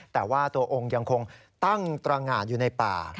แต่ว่าตัวองค์ยังคงตั้งตรงานอยู่ในป่า